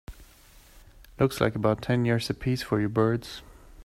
Looks like about ten years a piece for you birds.